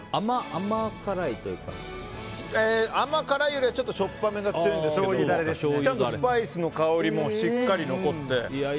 甘辛いよりはちょっとしょっぱめが強いんですけどちゃんとスパイスの香りもしっかり残って。